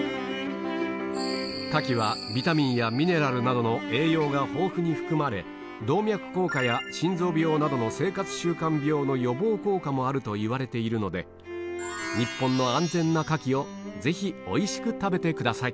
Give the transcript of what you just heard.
カキはビタミンやミネラルなどの栄養が豊富に含まれ動脈硬化や心臓病などの生活習慣病の予防効果もあるといわれているのでこの町に住むセットゴー！